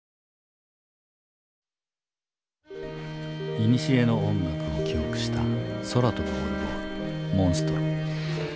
いにしえの音楽を記憶した空飛ぶオルゴール「モンストロ」。